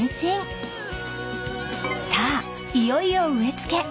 ［さあいよいよ植え付け。